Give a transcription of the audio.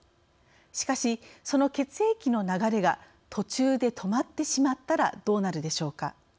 しかし、その血液の流れが途中で止まってしまったらどうなるでしょうか。